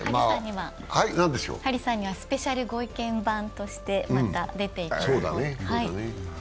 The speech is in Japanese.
張さんにはスペシャルご意見番として、また出ていただく。